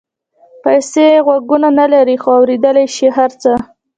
پیسې غوږونه نه لري خو اورېدلای شي هر څه.